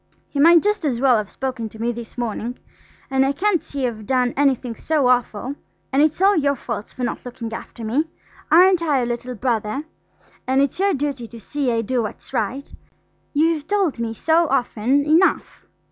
He might just as well have spoken to me this morning. And I can't see I've done anything so awful–and it's all your faults for not looking after me. Aren't I your little brother? and it's your duty to see I do what's right. You've told me so often enough."